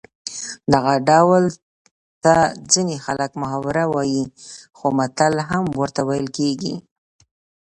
دغه ډول ته ځینې خلک محاوره وايي خو متل هم ورته ویل کېږي